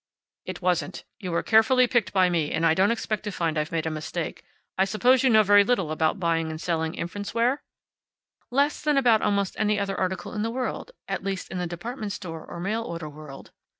"It wasn't. You were carefully picked by me, and I don't expect to find I've made a mistake. I suppose you know very little about buying and selling infants' wear?" "Less than about almost any other article in the world at least, in the department store, or mail order world."